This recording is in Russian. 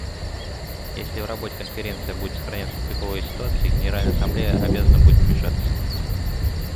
Если в работе Конференция будет сохраняться тупиковая ситуация, Генеральная Ассамблея обязана будет вмешаться.